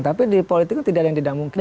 tapi di politik kan tidak ada yang tidak mungkin